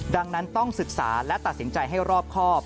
ดังนั้นต้องศึกษาและตัดสินใจให้รอบครอบ